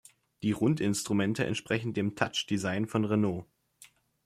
Die Rundinstrumente entsprechen dem "Touch-Design" von Renault.